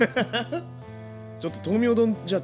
ちょっと豆苗丼じゃあ